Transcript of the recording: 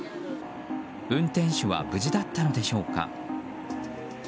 運転手は無事だったのでしょうか。